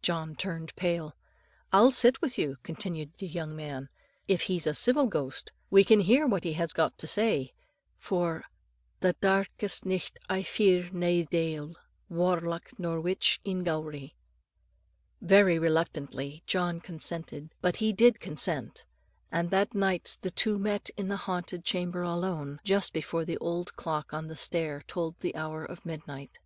John turned pale. "I'll sit with you," continued the young man. "If he's a civil ghost, we can hear what he has got to say; for 'The darkest nicht I fear nae deil, Warlock, nor witch in Gowrie.'" Very reluctantly John consented; but he did consent; and that night the two met in the haunted chamber alone, just before the old clock on the stair told the hour of midnight.